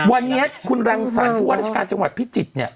วันนี้คุณรังสรรค์ภูมิวัฒนาชการจังหวัดพิจิตร